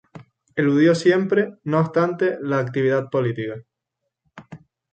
Eludió siempre, no obstante, la actividad política.